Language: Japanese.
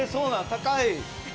高い。